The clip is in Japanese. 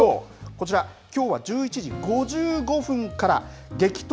こちらきょうは１１時５５分から激突！